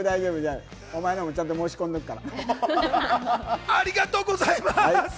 お前のも申し込んどくから大ありがとうございます。